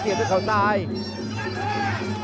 จัดสีบด้วยครับจัดสีบด้วยครับ